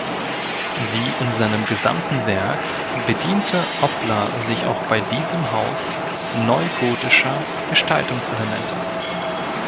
Wie in seinem gesamten Werk bediente Oppler sich auch bei diesem Haus neugotischer Gestaltungselemente.